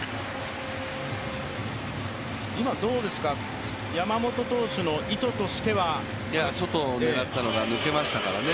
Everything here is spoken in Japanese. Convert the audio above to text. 今、山本投手の意図としては？外を狙ったのが抜けましたからね。